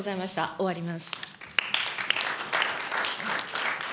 終わります。